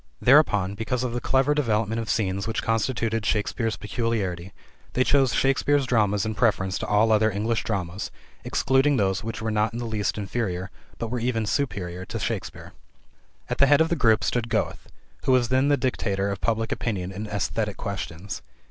Thereupon, because of the clever development of scenes which constituted Shakespeare's peculiarity, they chose Shakespeare's dramas in preference to all other English dramas, excluding those which were not in the least inferior, but were even superior, to Shakespeare. At the head of the group stood Goethe, who was then the dictator of public opinion in esthetic questions.